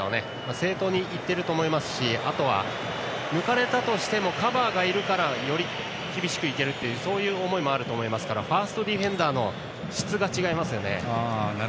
正当に行っていると思いますしあとは抜かれたとしてもカバーがいるからより厳しく行けるという思いもあるのでファーストディフェンダーの質が違いますね。